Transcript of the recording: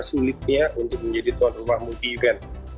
sulitnya untuk menjadi tuan rumah multi event